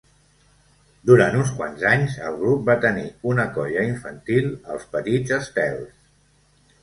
Durant uns quants anys, el grup va tenir una colla infantil, els Petits Estels.